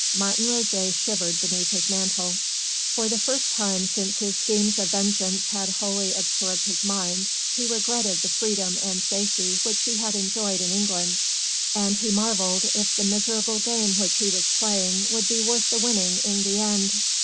Martin Roget shivered beneath his mantle. For the first time since his schemes of vengeance had wholly absorbed his mind he regretted the freedom and safety which he had enjoyed in England, and he marvelled if the miserable game which he was playing would be worth the winning in the end.